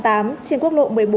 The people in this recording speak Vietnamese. trên quốc lộ một mươi bốn